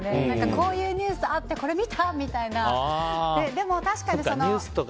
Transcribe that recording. こういうニュースあってこれ見た？みたいな。